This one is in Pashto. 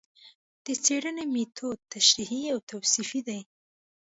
د څېړنې مېتود تشریحي او توصیفي دی